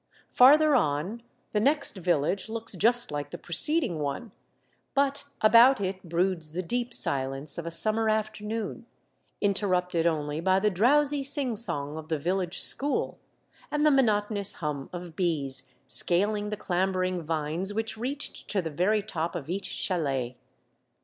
Farther on, the next village looks just like the preceding one, but about it broods the deep silence of a summer afternoon, interrupted only by the drowsy sing song of the village school, and the monotonous hum of bees scaling the clambering vines which reached to the very top of each chalet.